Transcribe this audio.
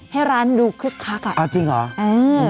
ให้ร้านดูคึกคักอะเออน่าจะมีนะจริงเหรอ